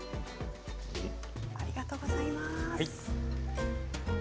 ありがとうございます。